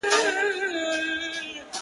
مطلب پوره سو د يارۍ خبره ورانه سوله,